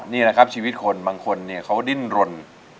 นี่ล่ะชีวิตคนบางคนดิ้นรน